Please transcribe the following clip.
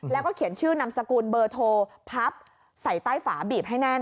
แล้วก็เขียนชื่อนามสกุลเบอร์โทรพับใส่ใต้ฝาบีบให้แน่น